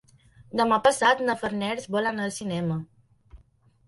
Demà passat na Farners vol anar al cinema.